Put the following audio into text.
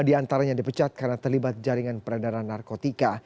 lima diantaranya dipecat karena terlibat jaringan perendahan narkotika